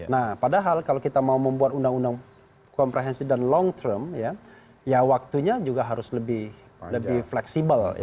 nah padahal kalau kita mau membuat undang undang komprehensif dan long term ya waktunya juga harus lebih fleksibel